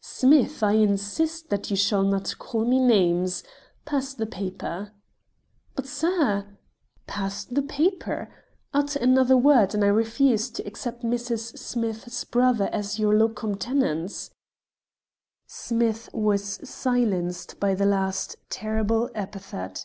"Smith, I insist that you shall not call me names. Pass the paper." "But, sir " "Pass the paper. Utter another word and I refuse to accept Mrs. Smith's brother as your locum tenens." Smith was silenced by the last terrible epithet.